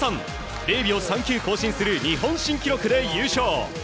０秒３９更新する日本新記録で優勝。